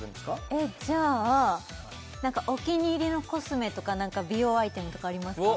えっじゃあお気に入りのコスメとか何か美容アイテムとかありますか？